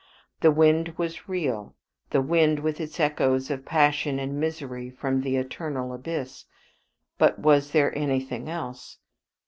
The wind was real, the wind with its echoes of passion and misery from the eternal abyss; but was there anything else?